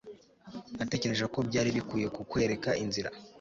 natekereje ko byari bikwiye kukwereka inzira